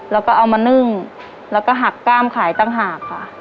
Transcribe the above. แล้วก็เอามานึ่งแล้วก็หักกล้ามขายต่างหากค่ะ